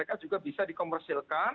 mereka juga bisa dikomersilkan